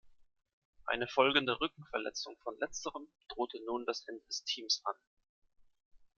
Eine folgende Rückenverletzung von Letzterem drohte nun das Ende des Teams an.